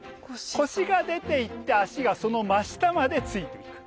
腰が出ていって脚がその真下までついていく。